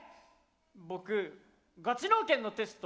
僕ガチ脳研のテスト